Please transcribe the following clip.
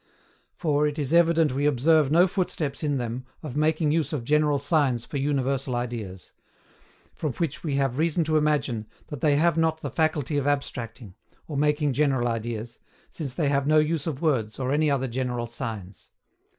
For, it is evident we observe no foot steps in them of making use of general signs for universal ideas; from which we have reason to imagine that they have not the FACULTY OF ABSTRACTING, or making general ideas, since they have no use of words or any other general signs."